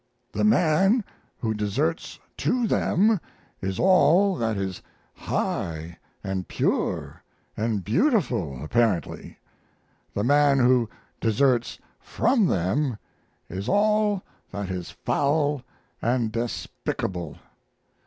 The man who deserts to them is all that is high and pure and beautiful apparently; the man who deserts from them is all that is foul and despicable.